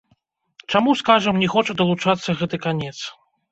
Чаму, скажам, не хоча далучацца гэты канец?